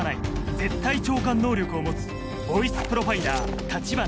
絶対聴感能力を持つボイスプロファイラー橘ひかり